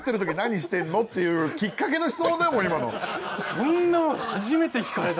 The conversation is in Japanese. そんなの初めて聞かれた。